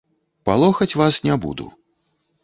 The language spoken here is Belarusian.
Палохаць вас не буду.